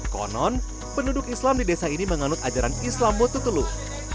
konon penduduk islam di desa ini mengalut ajaran islam bututeluh